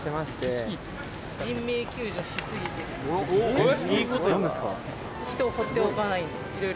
えっ！